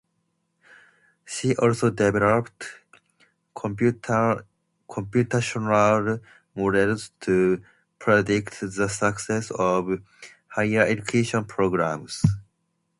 She also developed computational models to predict the success of higher education programs.